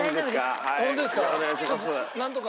ホントですか？